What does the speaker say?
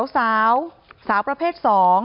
สาวสาวประเภท๒